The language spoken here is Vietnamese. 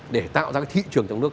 để tạo ra cái thị trường trong nước